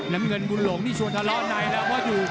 น้ำเงินบุญหลงที่ส่วนทะเลาะในล่ะ